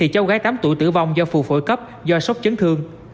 cháu gái tám tuổi tử vong do phù phổi cấp do sốc chấn thương